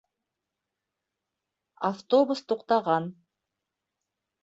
Автобус туҡтаған.